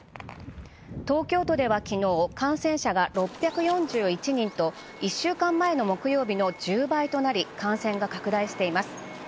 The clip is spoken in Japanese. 東京都では昨日感染者が６４１人と１週間前の木曜日の１０倍となり感染が拡大しています。